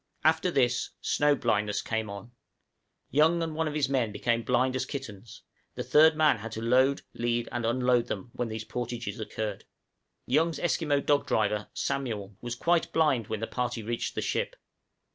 After this, snow blindness came on; Young and one of his men became blind as kittens; and the third man had to load, lead, and unload them, when these portages occurred. Young's Esquimaux dog driver, Samuel, was quite blind when the party reached the ship.